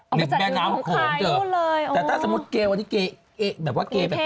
เป็นแม่น้ำของเธอแต่ถ้าสมมติเกย์วันนี้เกย์เอ๊ะแบบว่าเกย์แบบ